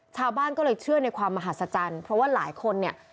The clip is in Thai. ชาวบ้านก็เลยเชื่อในความมหัศจรรย์เพราะว่าหลายคนเนี่ย